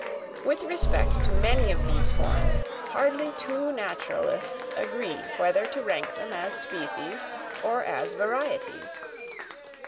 With respect to many of these forms, hardly two naturalists agree whether to rank them as species or as varieties.